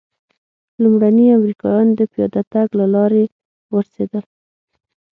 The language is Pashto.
لومړني امریکایان د پیاده تګ له لارې ورسېدل.